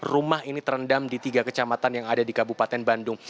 tiga delapan ratus rumah ini terendam di tiga kecamatan yang ada di kabupaten bandung